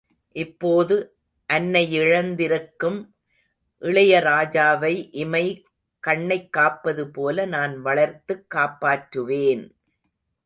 இப்போது அன்னையிழந்திருக்கும் இளையராஜாவை இமை, கண்ணைக் காப்பதுபோல நான் வளர்த்துக் காப்பாற்றுவேன்!